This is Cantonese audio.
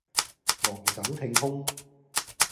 昂首挺胸